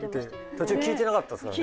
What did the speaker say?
途中聞いてなかったですからね。